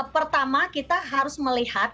pertama kita harus melihat